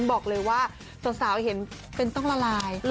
บอกเลยว่าสาวเห็นเป็นต้องละลาย